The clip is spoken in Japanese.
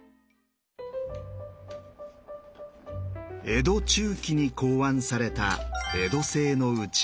江戸中期に考案された江戸製のうちわ。